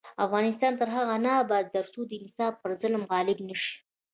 افغانستان تر هغو نه ابادیږي، ترڅو انصاف پر ظلم غالب نشي.